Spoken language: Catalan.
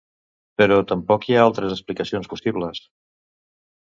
Però tampoc hi ha altres explicacions possibles.